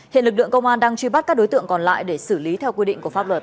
hiện lực lượng công an đang truy bắt các đối tượng còn lại để xử lý theo quy định của pháp luật